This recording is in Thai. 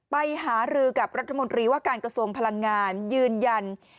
ไปหารือกับรัฐมนตรีว่าการกระทรวงพลังงานยืนยัน